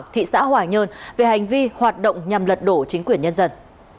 nghị xã hỏa nhơn về hành vi hoạt động nhằm lật đổ chính quyền nhân dân